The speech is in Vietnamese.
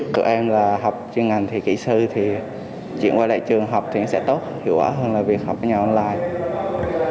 tụi em là học chuyên ngành thì kỹ sư thì chuyển qua lại trường học thì sẽ tốt hiệu quả hơn là việc học ở nhà online